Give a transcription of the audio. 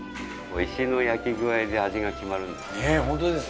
石の焼き具合で味が決まるんです。